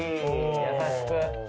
優しく。